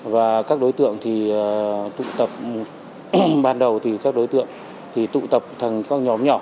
và các đối tượng thì tụ tập ban đầu thì các đối tượng thì tụ tập thành các nhóm nhỏ